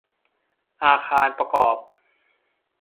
อาคารประกอบ